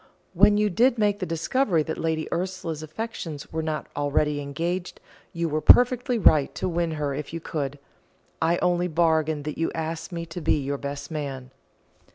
When you did make the discovery that Lady Ursula's affections were not already engaged, you were perfectly right to win her if you could. I only bargain that you ask me to be your best man."